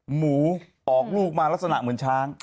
หมูออกลูกมาลักษณะเหมือนช้าง